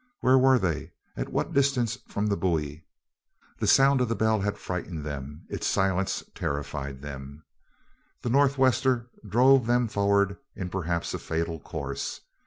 Where were they? At what distance from the buoy? The sound of the bell had frightened them; its silence terrified them. The north wester drove them forward in perhaps a fatal course.